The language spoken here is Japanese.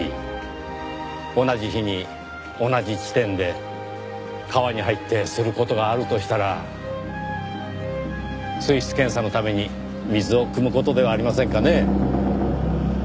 同じ日に同じ地点で川に入ってする事があるとしたら水質検査のために水をくむ事ではありませんかね？